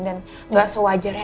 dan gak sewajarnya